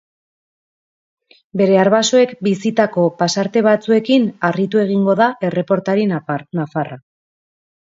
Bere arbasoek bizitako pasarte batzuekin harritu egingo da erreportari nafarra.